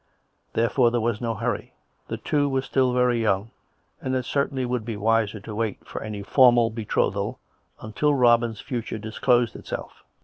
Therefore there was no hurry ; the two were still very young, and it certainly would be wiser to wait for any formal betrothal until Robin's future disclosed itself.